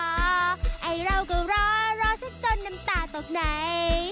ไอ้เราก็รอรอสักจนน้ำตาตกไหน